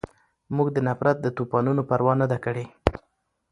مونږ د نفرت د طوپانونو پروا نه ده کړې